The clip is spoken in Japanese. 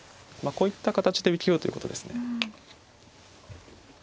こういった形で受けようということですね。